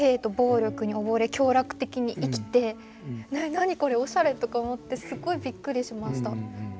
「何これおしゃれ」とか思ってすごいびっくりしました。